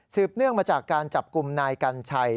เนื่องมาจากการจับกลุ่มนายกัญชัย